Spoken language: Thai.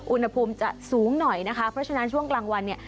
อุณหภูมิจะสูงหน่อยนะคะเพราะฉะนั้นช่วงกลางวันเนี่ย